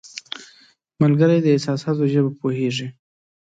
ملګری د احساساتو ژبه پوهیږي